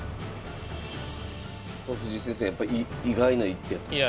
これ藤井先生やっぱ意外な一手やったですか？